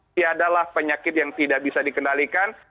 tiada lah penyakit yang tidak bisa dikendalikan